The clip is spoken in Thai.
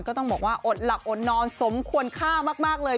ก็ต้องบอกว่าอดหลับอดนอนสมควรค่ามากเลย